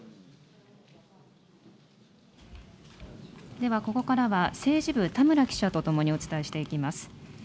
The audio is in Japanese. では、ここからは政治部、田村記者と共にお伝えしていきます。